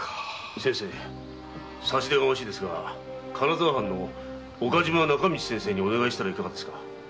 差し出がましいですが金沢藩の岡嶋仲道先生にお願いしたらいかがですか？